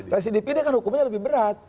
residip dia kan hukumnya lebih berat